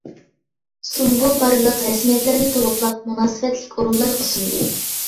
سۇمبۇل بارلىق رەسمىيەتلەرنى تولۇقلاپ مۇناسىۋەتلىك ئورۇنلارغا سۇندى.